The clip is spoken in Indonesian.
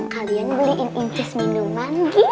kalian beliin inces minuman